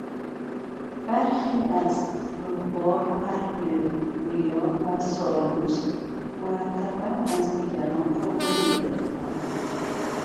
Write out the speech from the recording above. برخی از زوار اهل ریا و سالوس مرتبا از دیگران خرده میگرفتند.